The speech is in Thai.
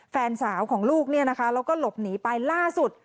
แฟนสาวของลูกเนี่ยนะคะแล้วก็หลบหนีไปล่าสุด